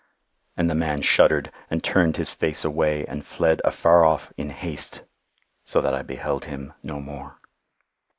And the man shuddered, and turned his face away, and fled afar off, in haste, so that I beheld him no more."